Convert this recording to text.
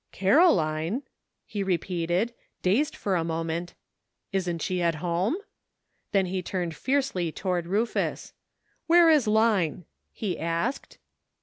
"Caroline?" he repeated, dazed for a mo« rnent, "isn't she at home?" then he turned fiercely toward Ruf us. " Where is Line ?" he asked.